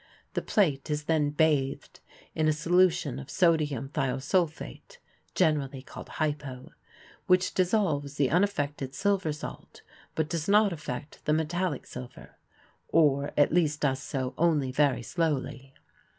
The plate is then bathed in a solution of sodium thiosulphate (generally called "hypo"), which dissolves the unaffected silver salt but does not affect the metallic silver or at least does so only very slowly.